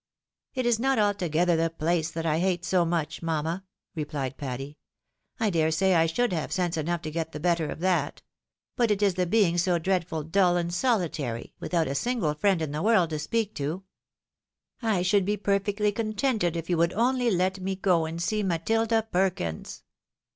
,' "It is not altogether the place that I hate so much, mamma," rephed Patty ;" I dare say I should have sense enough to get the better of that ; but it is the being so dreadful dull and solitary, without a single friend in the world to speak to. I should be perfectly contented if you would only let me go and see Matilda Perkins."